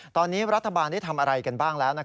ตอนนี้รัฐบาลได้ทำอะไรกันบ้างแล้ว